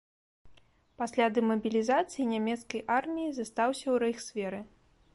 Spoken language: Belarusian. Пасля дэмабілізацыі нямецкай арміі застаўся ў рэйхсверы.